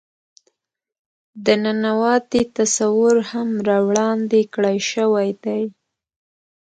د ننواتې تصور هم را وړاندې کړے شوے دے.